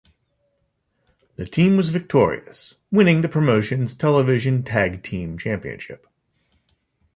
The team was victorious, winning the promotion's Television Tag Team Championship.